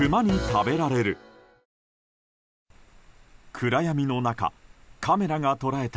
暗闇の中、カメラが捉えた